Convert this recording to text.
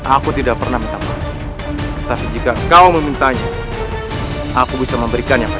aku tidak pernah minta maaf tapi jika kau memintanya aku bisa memberikannya pada